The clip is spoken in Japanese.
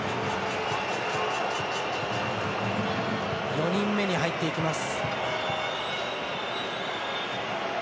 ４人目に入っていきます。